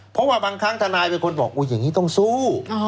เพราะว่าบางครั้งทนายเป็นคนบอกอย่างนี้ต้องสู้